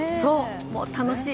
楽しい。